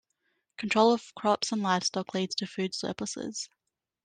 Control of crops and livestock leads to food surpluses.